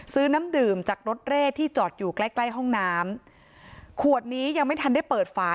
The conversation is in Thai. น้ำดื่มจากรถเร่ที่จอดอยู่ใกล้ใกล้ห้องน้ำขวดนี้ยังไม่ทันได้เปิดฝา